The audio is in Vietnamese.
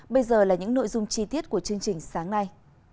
bây giờ là những nội dung chi tiết của chương trình sáng nay